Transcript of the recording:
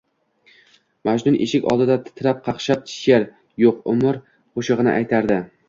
Majnun eshik oldida titrab-qaqshab sheʼr, yoʻq, umr qoʻshigʻini aytardi...